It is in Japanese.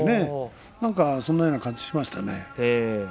何かそんなような感じがしました。